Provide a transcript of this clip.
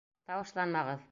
Тауышланмағыҙ!..